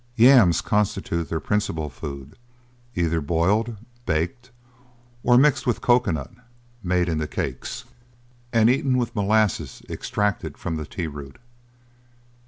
Yams constitute their principal food, either boiled, baked, or mixed with cocoa nut, made into cakes, and eaten with molasses extracted from the tee root.